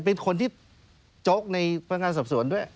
เป็นคนที่โจ๊กในพนักงานสอบสวนด้วย